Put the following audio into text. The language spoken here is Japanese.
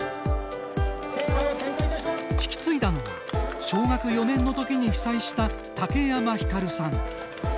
引き継いだのは小学４年のときに被災した武山ひかるさん。